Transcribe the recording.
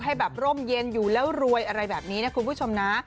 ให้แบบร่มเย็นอยู่แล้วรวยอะไรแบบนี้นะคุณผู้ชมนะ